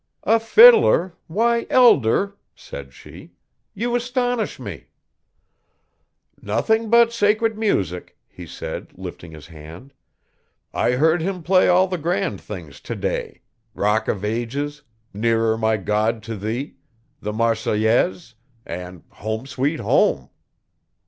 'A fiddler! why, Elder!' said she, 'you astonish me!' 'Nothing but sacred music,' he said, lifting his hand. 'I heard him play all the grand things today "Rock of Ages", "Nearer My God, to Thee", "The Marseillaise" and "Home, Sweet Home".